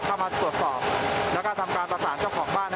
เข้ามาตรวจสอบแล้วก็ทำการประสานเจ้าของบ้าน